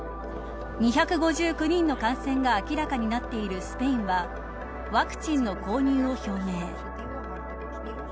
２５９人の感染が明らかになっているスペインはワクチンの購入を表明。